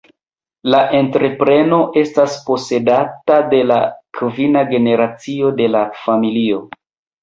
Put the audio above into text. La entrepreno estas posedata de la kvina generacio de la familio.